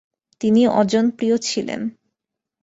তিনি অজনপ্রিয় ছিলেন।